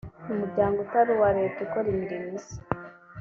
umuryango utari uwa leta ukora imirimo isa